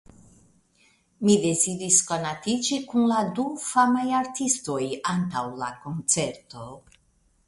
Mi deziris konatiĝi kun la du famaj artistoj antaŭ la koncerto.